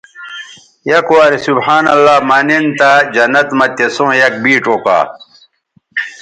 یک وارے سبحان اللہ منن تہ جنت مہ تسوں یک بیڇ اوکا